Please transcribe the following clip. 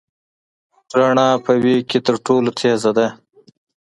رڼا په وېګ کي تر ټولو تېزه ده.